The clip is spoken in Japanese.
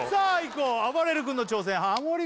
こうあばれる君の挑戦ハモリ